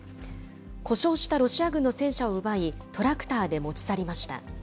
故障したロシア軍の戦車を奪い、トラクターで持ち去りました。